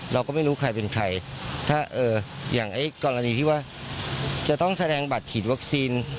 เราก็ไม่รู้ใครเป็นใครถ้าอย่างไอ้กรณีที่ว่าจะต้องแสดงบัตรฉีดวัคซีน